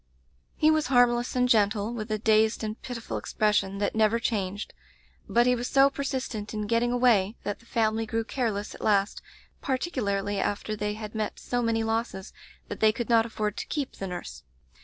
"He was harmless and gentle, with a dazed and pitiful expression that never changed, but he was so persistent in getting away that the family grew careless at last, particularly after they had met so many losses that they could not afford to keep the nurse.